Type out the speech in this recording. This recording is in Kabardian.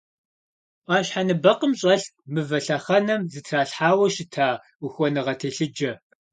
Ӏуащхьэ ныбэкъым щӀэлът мывэ лъэхъэнэм зэтралъхьауэ щыта ухуэныгъэ телъыджэ.